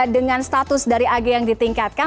dengan status dari ag yang ditingkatkan